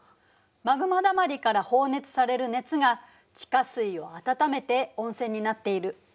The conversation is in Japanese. マグマだまりから放熱される熱が地下水を温めて温泉になっている。